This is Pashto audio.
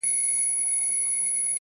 هغه بدل دی لکه غږ چي مات بنگړی نه کوي,